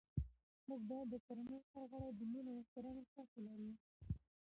موږ باید د کورنۍ هر غړی د مینې او احترام احساس ولري